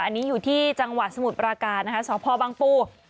อันนี้อยู่ที่จังหวัดสมุทรปราการนะคะสพบังปู